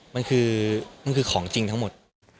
มันคือของจริงทั้งหมด